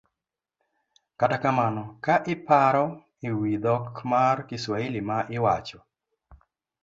Kata kamano ka iparo e wi dhok mar Kiswahili ma iwacho,